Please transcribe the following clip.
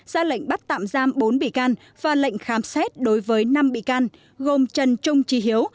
ra lệnh bắt tạm giam bốn bị can và lệnh khám xét đối với năm bị can gồm trần trung trí hiếu